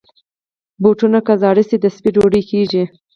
بوټونه که زاړه شي، د سپي ډوډۍ کېږي.